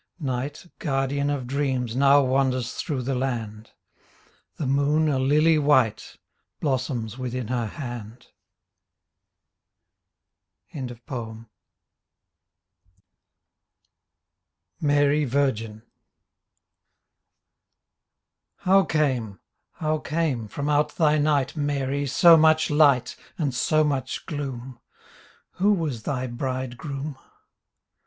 Night, guardian of dreams. Now wanders through the land; The moon, a lily white. Blossoms within her hand. MARY VIRGIN How came, how came from out thy night Mary, so much light And so much gloom: Who was thy bridegroom?